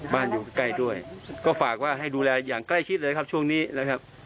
อยู่ใกล้ด้วยก็ฝากว่าให้ดูแลอย่างใกล้ชิดเลยครับช่วงนี้นะครับ